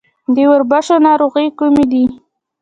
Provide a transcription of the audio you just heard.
د وربشو ناروغۍ کومې دي؟